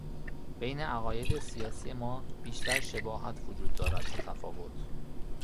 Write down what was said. بین عقاید سیاسی ما بیشتر شباهت وجود دارد تا تفاوت.